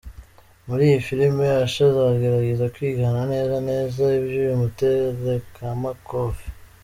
Muri iyi filime Usher azagerageza kwigana neza neza ibyo uyu muteramakofe.